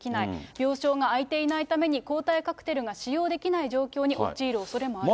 病床が空いていないために、抗体カクテルが使用できない状況に陥るおそれもあると。